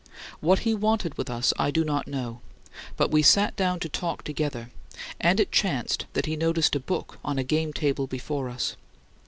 What he wanted with us I do not know; but we sat down to talk together, and it chanced that he noticed a book on a game table before us.